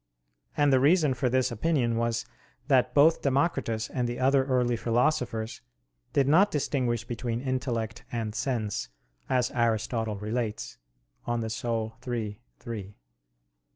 And the reason for this opinion was that both Democritus and the other early philosophers did not distinguish between intellect and sense, as Aristotle relates (De Anima iii, 3).